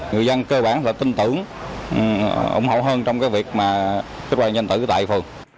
người dân cơ bản là tin tưởng ủng hộ hơn trong cái việc mà kích hoạt định danh tử tại phường